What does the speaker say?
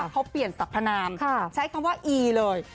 เขาเปลี่ยนสัพพนามใช้คำว่าอีเลย